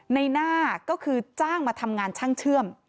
ในหน้าก็คือจ้างมาทำงานช่างเชื่อม